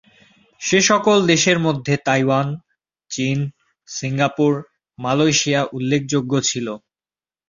সেসকল দেশের মধ্যে তাইওয়ান, চীন, সিঙ্গাপুর, মালয়েশিয়া উল্লেখযোগ্য ছিল।